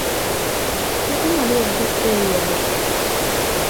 该方法利用的就是这个原理。